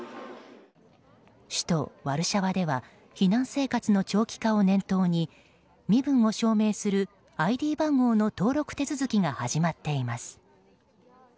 首都ワルシャワでは避難生活の長期化を念頭に身分を証明するＩＤ番号の登録手続きが始まっています。